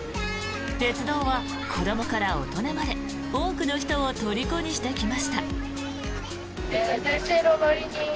鉄道は子どもから大人まで多くの人をとりこにしてきました。